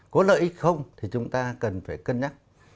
có lợi ích không thì chúng ta cần phải cân nhắc